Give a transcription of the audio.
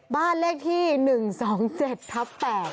บ้านเลขที่๑๒๗ทับ๘